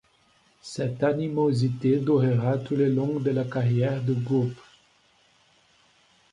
Cette animosité durera tout le long de la carrière du groupe.